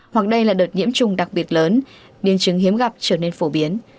hoặc đây là đợt nhiễm trùng đặc biệt lớn biến chứng hiếm gặp trở nên phổ biến